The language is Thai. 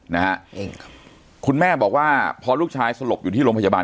นะฮะเองครับคุณแม่บอกว่าพอลูกชายสลบอยู่ที่โรงพยาบาล